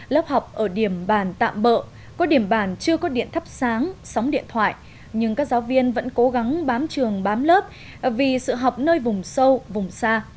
lớp học ở điểm bản tạm bỡ có điểm bản chưa có điện thắp sáng sóng điện thoại nhưng các giáo viên vẫn cố gắng bám trường bám lớp vì sự học nơi vùng sâu vùng xa